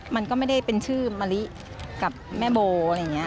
มันก็ไม่ได้เป็นชื่อมะลิกับแม่โบอะไรอย่างนี้